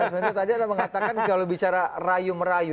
mas tasminio tadi ada mengatakan kalau bicara rayu merayu